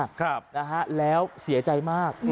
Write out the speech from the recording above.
ครับนะฮะแล้วเสียใจมาก